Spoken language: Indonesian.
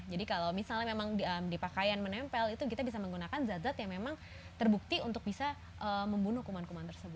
jadi kalau misalnya memang di pakaian menempel itu kita bisa menggunakan zat zat yang memang terbukti untuk bisa membunuh kuman kuman tersebut